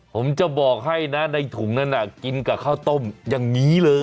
ผมจะบอกให้นะในถุงนั้นกินกับข้าวต้มอย่างนี้เลย